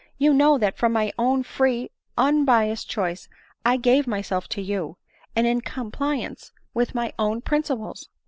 You know that from my own free, unbiassed choice I gave myself to you, and in compliance with my own princi ples."